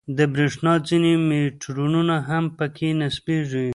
د برېښنا ځینې میټرونه هم په کې نصبېږي.